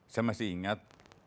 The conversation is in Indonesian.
saya masih ingat